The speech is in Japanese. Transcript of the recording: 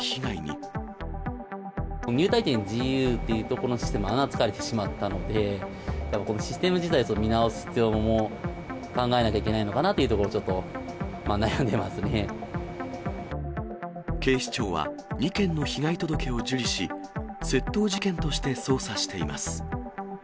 入退店自由というところの穴を突かれてしまったので、このシステム自体、見直す必要も考えなきゃいけないのかなというところ、ちょっと悩警視庁は、２件の被害届を受理し、窃盗事件として捜査しています。